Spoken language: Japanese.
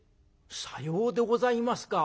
「さようでございますか。